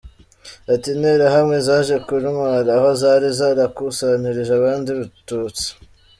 Ati “Interahamwe zaje kuntwara aho zari zarakusanirije abandi Batutsi.